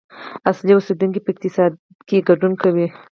اصلي اوسیدونکي په اقتصاد کې ګډون کوي.